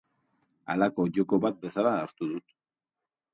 Halako joko bat bezala hartu dut.